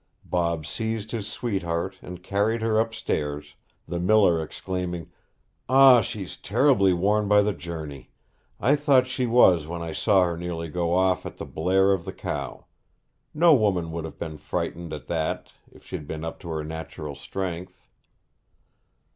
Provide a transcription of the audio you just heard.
Bob seized his sweetheart and carried her upstairs, the miller exclaiming, 'Ah, she's terribly worn by the journey! I thought she was when I saw her nearly go off at the blare of the cow. No woman would have been frightened at that if she'd been up to her natural strength.'